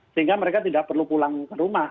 sehingga mereka tidak perlu pulang ke rumah